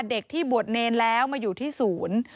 เด็กที่บวชเนรแล้วมาอยู่ที่ศูนย์